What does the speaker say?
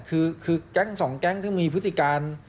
ก็คือกลางกรเป็น๒กลางที่มีพฤติการ